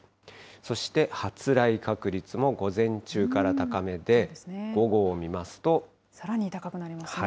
そして発雷確率も午前中から高めさらに高くなりますね。